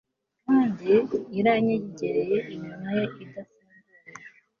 Kandi yaranyegereye iminwa ye idafunguye